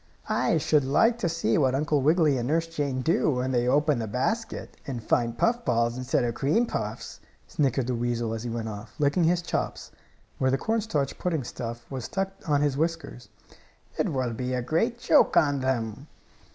"I should like to see what Uncle Wiggily and Nurse Jane do when they open the basket, and find puff balls instead of cream puffs," snickered the weasel as he went off, licking his chops, where the cornstarch pudding stuff was stuck on his whiskers. "It will be a great joke on them!"